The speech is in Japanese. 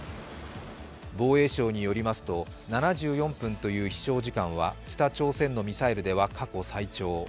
防衛省によりますと、７４分という飛しょう時間は北朝鮮のミサイルでは過去最長。